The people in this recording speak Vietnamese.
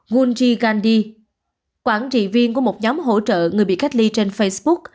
wonji gandhi quản trị viên của một nhóm hỗ trợ người bị cách ly trên facebook